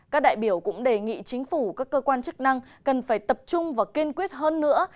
các đại biểu cũng đề nghị chính phủ các cơ quan chức năng cần phải tập trung và kiên quyết hơn nữa